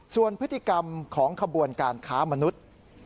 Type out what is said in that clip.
ส่วนพฤติกรรมของขบวนการค้ามนุษย์